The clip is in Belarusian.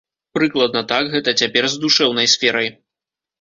Прыкладна так гэта цяпер з душэўнай сферай.